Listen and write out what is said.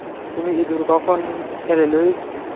তুমি ইঁদুর কখন খেলে, লুইস?